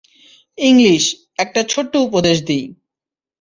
English, একটা ছোট্ট উপদেশ দিই।